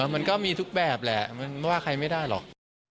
มันก็มีทุกแบบแหละมันว่าใครไม่ได้หรอก